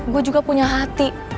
gue juga punya hati